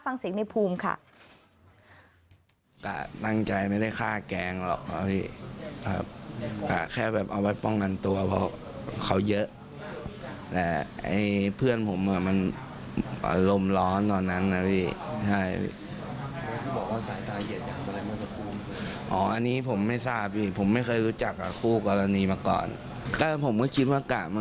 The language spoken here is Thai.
ฟังเสียงในภูมิค่ะ